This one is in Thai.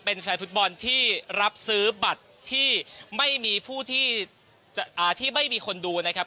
ก็เป็นแฟนฟุตบอลที่รับซื้อบัตรที่ไม่มีคนดูนะครับ